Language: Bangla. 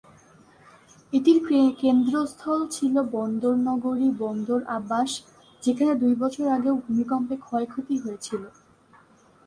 এটির কেন্দ্রস্থল ছিল বন্দরনগরী বন্দর আব্বাস, যেখানে দুই বছর আগেও ভূমিকম্পে ক্ষয়ক্ষতি হয়েছিল।